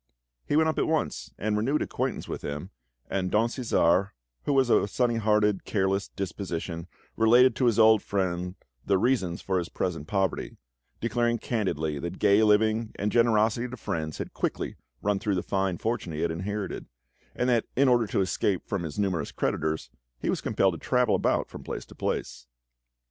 He went up at once and renewed acquaintance with him, and Don Cæsar, who was of a sunny hearted, careless disposition, related to his old friend the reasons for his present poverty, declaring candidly that gay living and generosity to friends had quickly run through the fine fortune he had inherited, and that in order to escape from his numerous creditors, he was compelled to travel about from place to place.